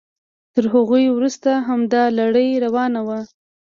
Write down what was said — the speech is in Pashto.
تر هغوی وروسته همدا لړۍ روانه وه.